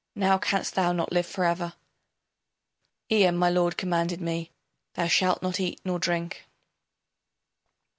Now canst thou not live forever ... Ea, my lord, commanded me: Thou shalt not eat nor drink.